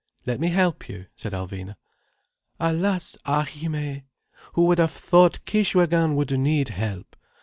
"Let me help you," said Alvina. "Alas, ahimé! Who would have thought Kishwégin would need help.